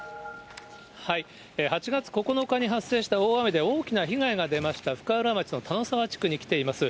８月９日に発生した大雨で大きな被害が出ました、深浦町の田野沢地区に来ています。